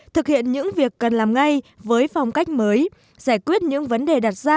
thực hiện những việc cần làm ngay với phong cách mới giải quyết những vấn đề đặt ra